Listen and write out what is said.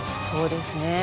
そうですよね。